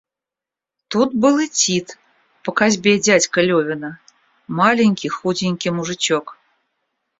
Тут был и Тит, по косьбе дядька Левина, маленький, худенький мужичок.